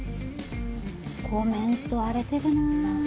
コメント荒れてるな。